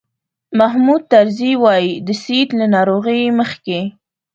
محمود طرزي وایي د سید له ناروغۍ مخکې.